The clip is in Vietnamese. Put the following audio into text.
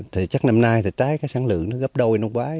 thì chắc năm nay thì trái cái sản lượng nó gấp đôi năm ngoái